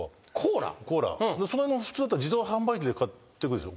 その辺の普通だったら自動販売機で買ってくるでしょ。